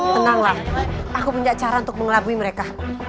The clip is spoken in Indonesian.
tenanglah aku punya cara untuk mengelabui mereka